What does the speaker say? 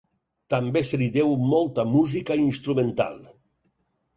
També se li deu molta música instrumental.